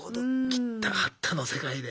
切った張ったの世界で。